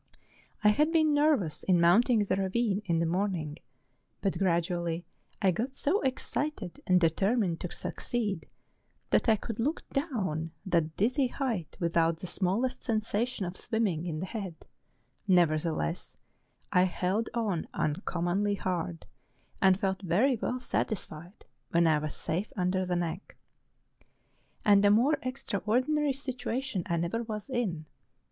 I had been nervous in mounting the ravine in the morning, but gradually I got so excited and determined to succeed, that I could look down that dizzy height without the smallest sensation of swimming in the head: never¬ theless, I held on uncommonly hard, and felt very well satisfied when I was safe under the neck. And a more extraordinary situation I never was in.